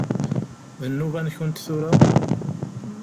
D nnuba-nkent tura?